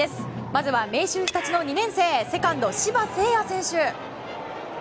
まずは明秀日立の２年生セカンド、柴晴蒼選手。